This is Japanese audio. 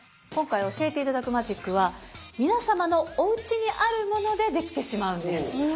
今回教えて頂くマジックは皆様のおうちにあるものでできてしまうんです。